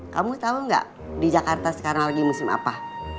kamu tau gak di jakarta sekarang lagi musim apa